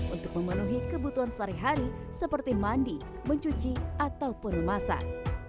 untuk memenuhi kebutuhan sehari hari seperti mandi mencuci ataupun memasak